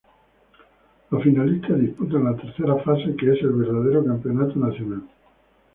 Los finalistas disputan la tercera fase, que es el verdadero campeonato nacional.